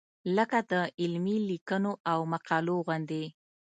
لکه د علمي لیکنو او مقالو غوندې.